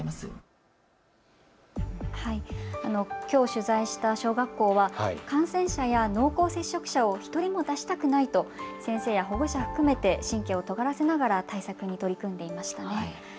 きょう取材した小学校は感染者や濃厚接触者を一人も出したくないと先生や保護者含めて神経をとがらせながら対策に取り組んでいました。